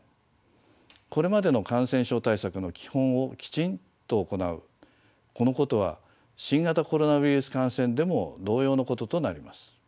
これまでの感染症対策の基本をきちんと行うこのことは新型コロナウイルス感染でも同様のこととなります。